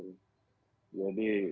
usah khawatir jadi